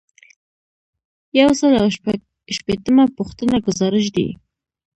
یو سل او شپږ شپیتمه پوښتنه ګزارش دی.